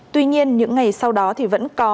tuy nhiên những ngày sau đó vẫn có